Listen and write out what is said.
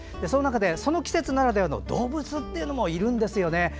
その中で、その季節ならではの動物っていうのもいるんですよね。